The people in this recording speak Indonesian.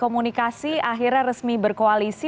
komunikasi akhirnya resmi berkoalisi